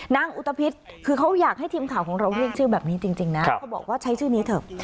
อุตภิษคือเขาอยากให้ทีมข่าวของเราเรียกชื่อแบบนี้จริงนะเขาบอกว่าใช้ชื่อนี้เถอะ